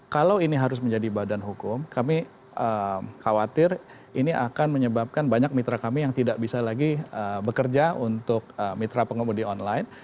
kalau ini harus menjadi badan hukum kami khawatir ini akan menyebabkan banyak mitra kami yang tidak bisa lagi bekerja untuk mitra pengemudi online